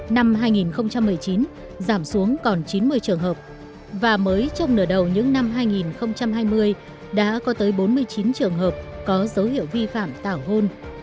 năm hai nghìn một mươi chín giảm xuống còn chín mươi trường hợp và mới trong nửa đầu những năm hai nghìn hai mươi đã có tới bốn mươi chín trường hợp có dấu hiệu vi phạm tảo hôn